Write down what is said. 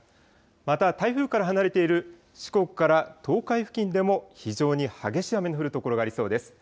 また台風から離れている四国から東海付近でも非常に激しい雨の降る所がありそうです。